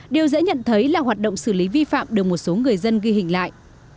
điều dễ nhận thấy là hoạt động xử lý vi phạm được một số người dân ghi hình lại